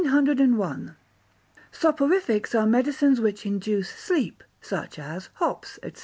Soporifics Soporifics are medicines which induce sleep, such as hops, &c.